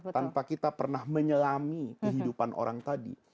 tanpa kita pernah menyelami kehidupan orang tadi